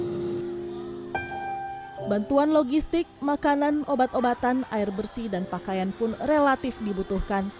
bantuan logistik makanan obat obatan air bersih dan pakaian pun relatif dibutuhkan